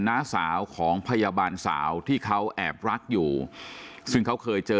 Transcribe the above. น้าสาวของพยาบาลสาวที่เขาแอบรักอยู่ซึ่งเขาเคยเจอ